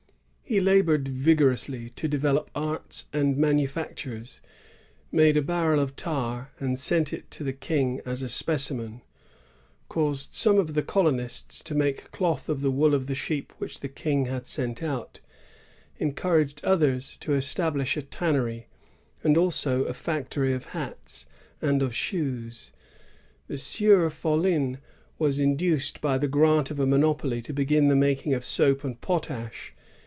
He labored vigorously to develop arts and manufactures; made a barrel of tar, and sent it to the King as a specimen; caused some of the colonists to make cloth of the wool of the sheep which the King had sent out; encouraged others to establish a tannery, and also a factory of hats and of shoes. The Sieur Follin was induced by the grant of a monopoly to begin the making of soap and potash.'